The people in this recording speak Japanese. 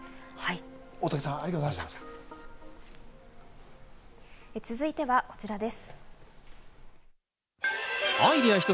大竹さん、ありがとうござい続いてはこちらです。